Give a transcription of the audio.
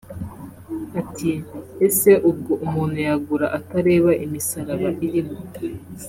Ati “Ese ubwo umuntu yagura atareba imisaraba irimo